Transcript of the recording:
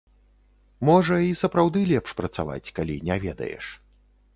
Можа, і сапраўды лепш працаваць, калі не ведаеш.